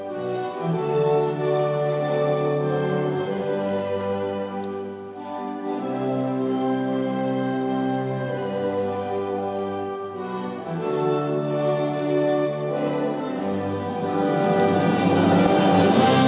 kau mampu melampaui kita